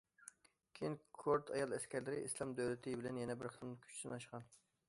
كېيىن، كۇرد ئايال ئەسكەرلىرى« ئىسلام دۆلىتى» بىلەن يەنە بىر قېتىم كۈچ سىناشقان.